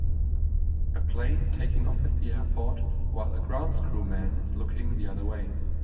A plane taking off at the airport while a grounds crew man is looking the other way.